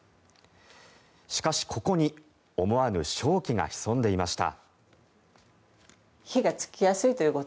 しかし、ここに思わぬ商機が潜んでいました。